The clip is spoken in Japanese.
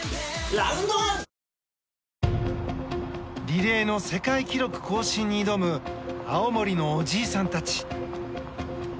リレーの世界記録更新に挑む青森のおじいさんたち。